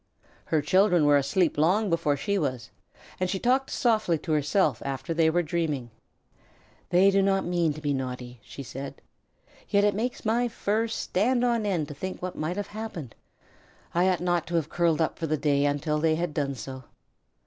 Her children were asleep long before she was, and she talked softly to herself after they were dreaming. "They do not mean to be naughty," she said. "Yet it makes my fur stand on end to think what might have happened.... I ought not to have curled up for the day until they had done so....